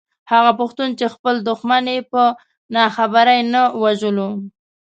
هغه پښتون چې خپل دښمن يې په ناخبرۍ نه وژلو.